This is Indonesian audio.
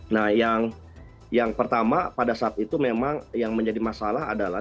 nah yang pertama pada saat itu memang yang menjadi masalah adalah